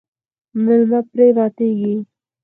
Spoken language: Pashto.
میلمه پرې ماتیږي.